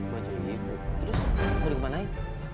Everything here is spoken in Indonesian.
baju ibu terus mau dikemanain